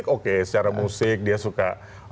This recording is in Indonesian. oke secara musik dia suka